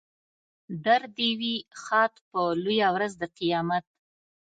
در دې وي ښاد په لویه ورځ د قیامت.